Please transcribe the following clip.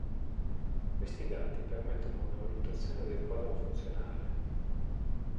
Questi dati permettono una valutazione del quadro funzionale.